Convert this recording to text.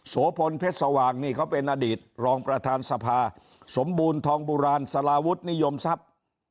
โสพลเพชรสว่างนี่เขาเป็นอดีตรองประธานสภาสมบูรณ์ทองโบราณสลาวุฒินิยมทรัพย์